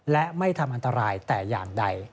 และไม่ทำอันตรายแต่อย่างใด